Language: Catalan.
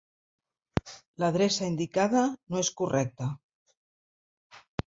L'adreça indicada no és correcta.